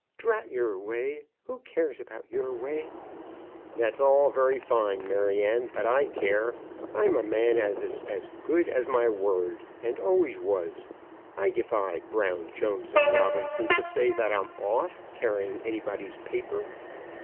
"Drat your way! Who cares about your way?" "That's all very fine, Maryanne; but I care. I'm a man as is as good as my word, and always was. I defy Brown, Jones, and Robinson to say that I'm off, carrying anybody's paper.